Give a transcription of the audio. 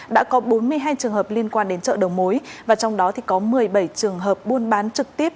đã có bốn mươi hai trường hợp liên quan đến chợ đầu mối và trong đó có một mươi bảy trường hợp buôn bán trực tiếp